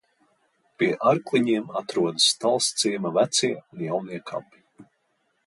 Pie Arkliņiem atrodas Talsciema vecie un jaunie kapi.